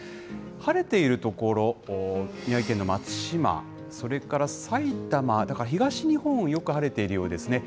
晴れている所、宮城県の松島、それから埼玉、東日本はよく晴れているようですね。